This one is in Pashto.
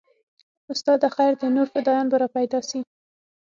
استاده خير دى نور فدايان به راپيدا سي.